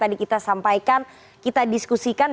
tadi kita sampaikan kita diskusikan